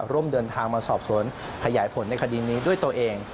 ร่วมเดินทางมาสอบสวนขยายผลในคดีนี้ด้วยตัวเอง